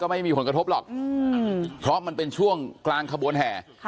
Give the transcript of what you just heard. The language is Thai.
ไม่มีผลกระทบหรอกเพราะมันเป็นช่วงกลางขบวนแห่